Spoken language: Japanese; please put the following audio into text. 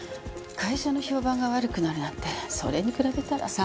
会社の評判が悪くなるなんてそれに比べたら。